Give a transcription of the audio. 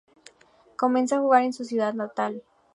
Comenzó a jugar en su ciudad natal.